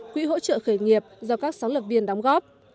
quỹ hỗ trợ khởi nghiệp do các sáng lập viên đóng góp